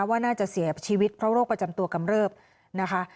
ว่าน่าจะเสียชีวิตเพราะโรคประจำตัวกำเริบนะคะ